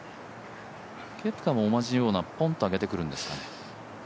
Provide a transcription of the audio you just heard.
ケプカも同じような、ポンと上げてくるんですかね？